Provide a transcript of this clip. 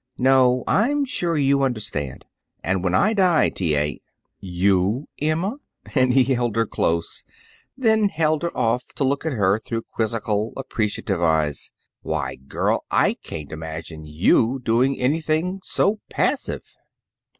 "No; I'm sure you understand. And when I die, T. A. " "You, Emma!" And he held her close, and then held her off to look at her through quizzical, appreciative eyes. "Why, girl, I can't imagine you doing anything so passive."